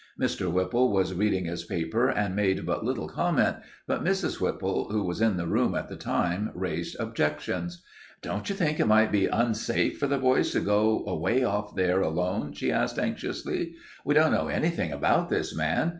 Mr. Whipple was reading his paper and made but little comment, but Mrs. Whipple, who was in the room at the time, raised objections. "Don't you think it might be unsafe for the boys to go away off there alone?" she asked anxiously. "We don't know anything about this man.